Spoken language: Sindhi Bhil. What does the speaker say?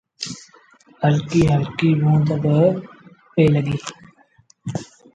هلڪيٚ هلڪي بوند با لڳي پئيٚ